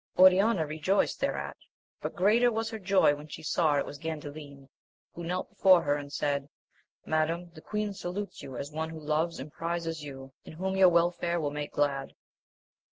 Oriana rejoiced thereat, but greater was her joy when she saw it was Gandalin, who knelt before her and said, Madam, the queen salutes you as one who loves and prizes you and whom your welfare will make glad.